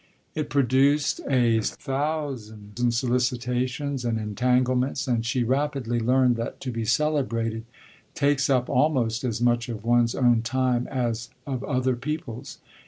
It produced a thousand solicitations and entanglements, and she rapidly learned that to be celebrated takes up almost as much of one's own time as of other people's.